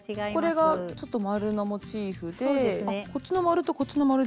これがちょっと円のモチーフであっこっちの円とこっちの円でも違います。